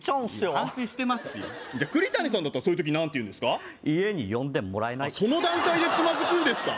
反省してますしじゃあ栗谷さんだったら何て言うんですか家に呼んでもらえないその段階でつまずくんですか